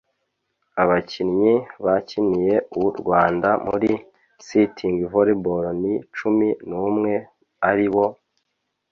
Abakinnyi bakiniye u Rwanda muri Sitting Volleyball ni cumi n’umwe ari bo